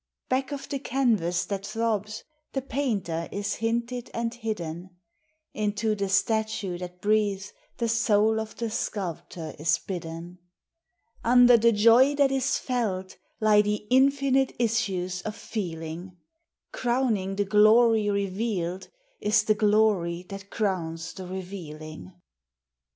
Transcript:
Back of the canvas that throbs the painter is hinted and hidden ; Into the statue that breathes the soul of the sculp tor is bidden ; Under the joy that is felt lie the infinite issues of feeling ; Crowning the glory revealed is the glory that crowns the revealing.